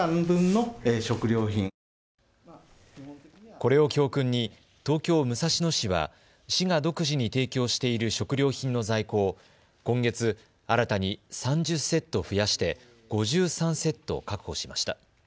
これを教訓に東京武蔵野市は市が独自に提供している食料品の在庫を今月新たに３０セット増やして５３セット確保しました。